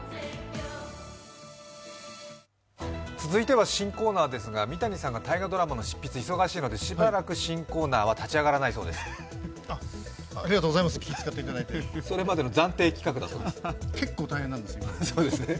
続いては、新コーナーですが三谷さんが大河ドラマの執筆で忙しいのでしばらく新コーナーは立ち上がらないそうです。